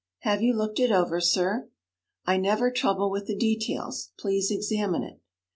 'Have you looked it over, sir?' 'I never trouble with the details. Please examine it.'